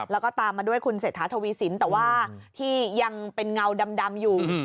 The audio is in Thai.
แล้วก็ตามมาด้วยคุณเศรษฐาทวีสินแต่ว่าที่ยังเป็นเงาดำอยู่